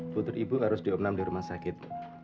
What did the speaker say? putri ibu harus diopnam di rumah sakit